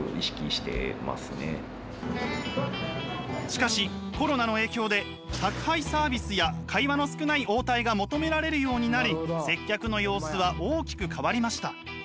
しかしコロナの影響で宅配サービスや会話の少ない応対が求められるようになり接客の様子は大きく変わりました。